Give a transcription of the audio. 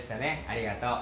ありがとう。